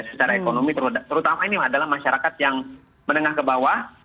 secara ekonomi terutama ini adalah masyarakat yang menengah ke bawah